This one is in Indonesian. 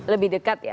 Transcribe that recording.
lebih dekat ya